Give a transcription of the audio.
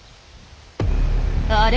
あれ？